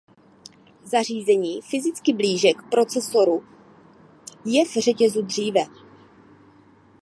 Zařízení fyzicky blíže k procesoru je v řetězu dříve.